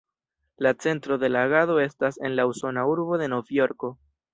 La centro de la agado estas en la usona urbo de Novjorko.